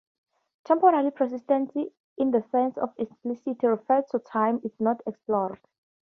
Temporal persistence, in the sense of explicit reference to time, is not explored.